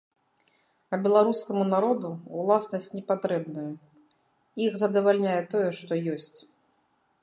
А беларускаму народу ўласнасць не патрэбная, іх задавальняе тое, што ёсць.